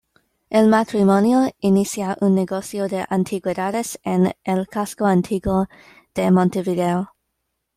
El matrimonio inicia un negocio de antigüedades en el casco antiguo de Montevideo.